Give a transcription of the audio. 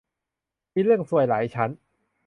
มีเรื่องซวยหลายชั้น